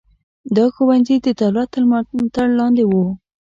دا ښوونځي د دولت تر ملاتړ لاندې وو.